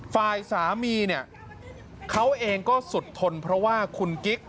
ฝ่ายสามีเนี่ยเขาเองก็สุดทนเพราะว่าคุณกิ๊ก